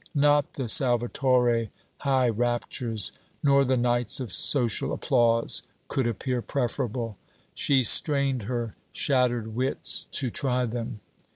Not the Salvatore high raptures nor the nights of social applause could appear preferable: she strained her shattered wits to try them.